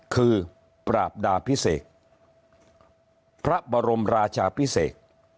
คือปราบดาพิเศษพระบรมราชาพิเศษ